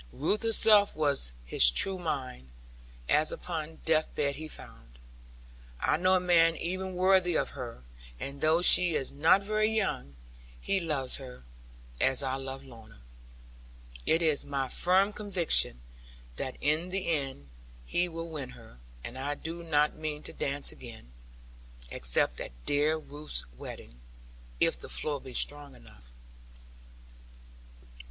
Ruth herself was his true mine, as upon death bed he found. I know a man even worthy of her: and though she is not very young, he loves her, as I love Lorna. It is my firm conviction, that in the end he will win her; and I do not mean to dance again, except at dear Ruth's wedding; if the floor be strong enough.